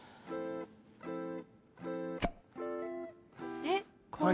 えっ？